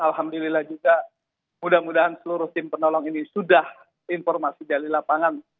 alhamdulillah juga mudah mudahan seluruh tim penolong ini sudah informasi dari lapangan